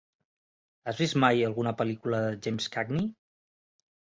Has vist mai alguna pel·lícula de James Cagney?